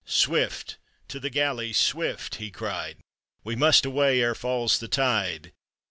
"Swift, to the galleys, swift!" he cried, " We must away ere falls the tide."